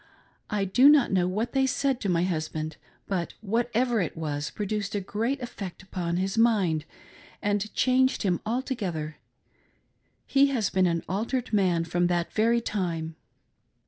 I do not know what they said to my husband, but whatever it was, it produced a great eifect upon his mind, and changed him altogether — he has been an altered man from that very time.